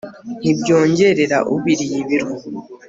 ntibyongerera ubiriye ibiro